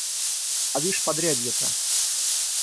А вишь подрядье-то!